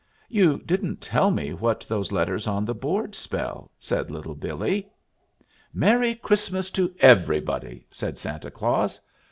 "You didn't tell me what those letters on the boards spell," said Little Billee. "'Merry Christmas to Everybody!'" said Santa Claus.